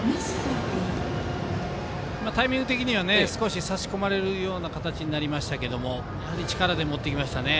タイミング的には少し差し込まれるようになりましたがやはり力で持っていきましたね。